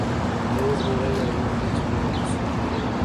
یو زمری او یو خرس په یو هوسۍ جنګیدل.